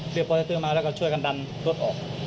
เรียกโปรเซตเตอร์มาแล้วก็ช่วยกันดันรถออก